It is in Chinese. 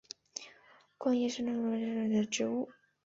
光叶山楂为蔷薇科山楂属的植物。